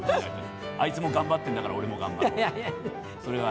あいつも頑張ってんだから、俺も頑張ろう。